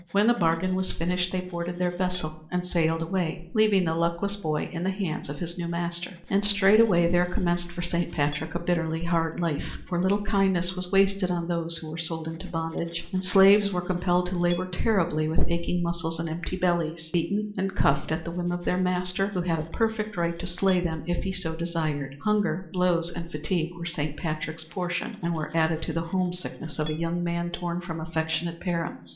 When the bargain was finished they boarded their vessel and sailed away, leaving the luckless boy in the hands of his new master. And straightway there commenced for Saint Patrick a bitterly hard life, for little kindness was wasted on those who were sold into bondage, and slaves were compelled to labor terribly with aching muscles and empty bellies, beaten and cuffed at the whim of their master who had a perfect right to slay them if he so desired Hunger, blows and fatigue were Saint Patrick's portion and were added to the homesickness of a young man torn from affectionate parents.